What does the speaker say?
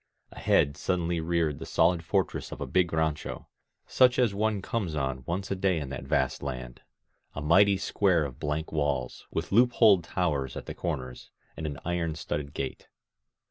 Ahead suddenly reared the solid fortress of a big rancho, such as one comes on once a day in that vast land, — a mighty square of blank walls, with loop holed towers at the corners, and an iron studded gate.